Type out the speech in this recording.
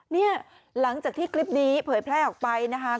เนี่ยหลังจากที่คลิปนี้เผยแพร่ออกไปนะคะ